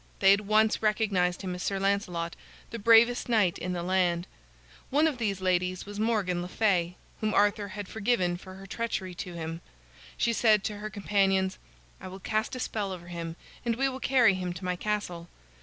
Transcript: They at once recognized him as Sir Lancelot, the bravest knight in the land. One of these ladies was Morgan le Fay, whom Arthur had forgiven for her treachery to him. She said to her companions: "I will cast a spell over him, and we will carry him to my castle.